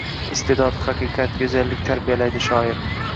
Isteʼdod, haqiqat, goʻzallik tarbiyalaydi shoirni